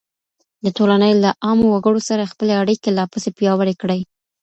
د ټولني له عامو وګړو سره خپلي اړيکې لا پسې پياوړې کړئ.